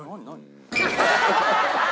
ハハハハ！